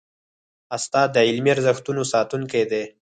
استاد د علمي ارزښتونو ساتونکی دی.